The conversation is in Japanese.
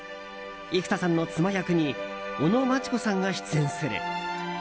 生田さんの妻役に尾野真千子さんが出演する。